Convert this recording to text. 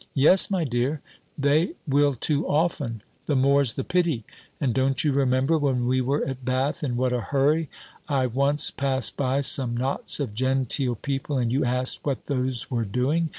"Yes, my dear, they will too often, the more's the pity! And don't you remember, when we were at Bath, in what a hurry I once passed by some knots of genteel people, and you asked what those were doing?